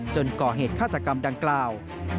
ก่อเหตุฆาตกรรมดังกล่าว